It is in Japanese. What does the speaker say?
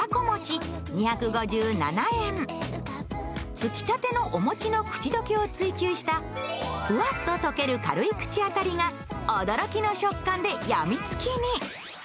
つきたてのお餅の口溶けを追求したふわっと溶ける軽い口当たりが驚きの食感でやみつきに。